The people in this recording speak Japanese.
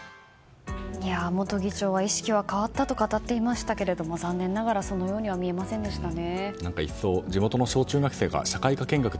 元議長は意識は変わったと話していましたが残念ながらそのようには見えませんでしたね。